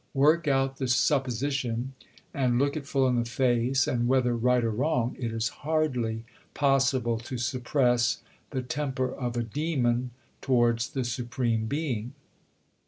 Work out the supposition, and look it full in the face, and (whether right or wrong) it is hardly possible to suppress the temper of a demon towards the Supreme being."